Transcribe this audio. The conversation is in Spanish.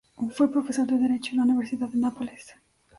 Fue profesor de Derecho en la Universidad de Nápoles.